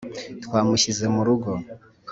twamushyize mu rugo.